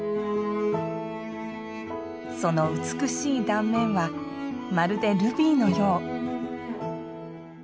その美しい断面はまるでルビーのよう。